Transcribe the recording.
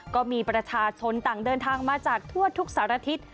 ก็มีประชาชนต่างเดินทางมาจากทั่วทุกสารทิศ